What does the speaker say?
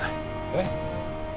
えっ？